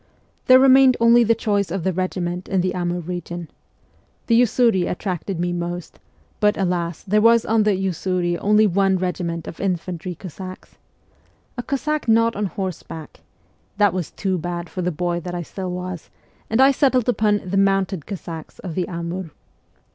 There remained only the choice of the regi ment in the Amur region. The Usuri attracted me most ; but, alas, there was on the Usuri only one regiment of infantry Cossacks. A Cossack not on horseback that was too bad for the boy that I still was, and I settled upon ' the mounted Cossacks of the Amur.'